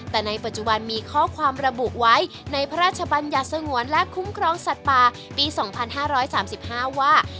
แต่ในปัจจุบันมีข้อความระบุไว้ในพระราชบัญญัติสงวนและคุ้มครองสัตว์ป่าปี๒๕๓๕ว่า